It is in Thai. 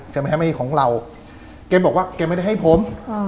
จะมาให้ของเราเขาบอกว่าเขาไม่ได้ให้ผม